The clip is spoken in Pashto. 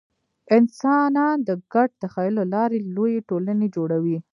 انسانان د ګډ تخیل له لارې لویې ټولنې جوړوي.